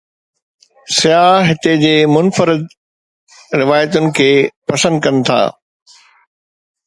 سياح هتي جي منفرد روايتن کي پسند ڪن ٿا.